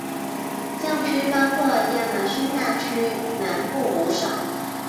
教区包括亚马孙大区南部五省。